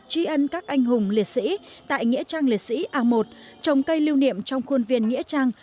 tri ân các anh hùng liệt sĩ tại nghĩa trang liệt sĩ a một trồng cây lưu niệm trong khuôn viên nghĩa trang